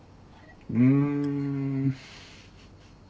うん。